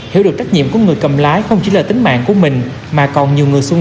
hiểu được trách nhiệm của người cầm lái không chỉ là tính mạng của mình mà còn nhiều người xung quanh